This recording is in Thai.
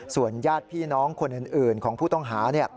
ส่วนญาติพี่น้องคนอื่นของผู้ต้องหา